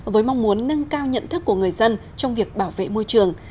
với mong muốn nâng cao nhận thức của người dân trong việc bảo vệ môi trường